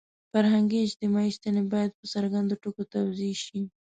فرهنګي – اجتماعي ستنې باید په څرګندو ټکو توضیح شي.